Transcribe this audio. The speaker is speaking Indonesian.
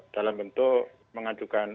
dalam bentuk mengajukan